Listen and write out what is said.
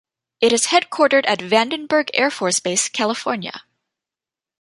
It is headquartered at Vandenberg Air Force Base, California.